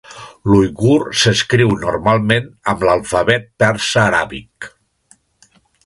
L'uigur s'escriu normalment amb l'alfabet persa-aràbic.